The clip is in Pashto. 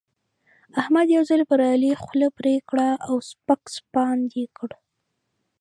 احمد یو ځل پر علي خوله پرې کړه او سپک سپاند يې کړ.